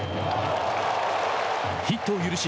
ヒットを許し